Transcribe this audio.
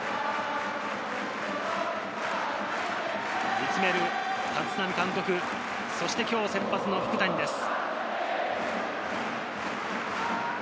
見つめる立浪監督、そして今日先発の福谷です。